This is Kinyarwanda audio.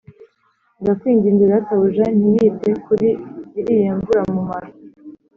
Ndakwinginze databuja ntiyite kuri iriya mburamumaro